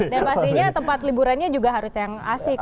dan pastinya tempat liburannya juga harus yang asik dong